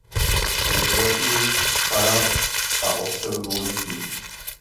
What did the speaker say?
Je ženatý s Farah a otcem dvou dětí.